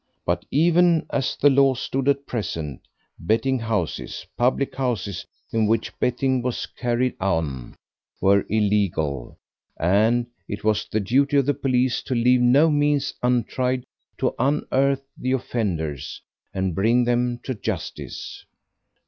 But even as the law stood at present, betting houses, public houses in which betting was carried on, were illegal, and it was the duty of the police to leave no means untried to unearth the offenders and bring them to justice.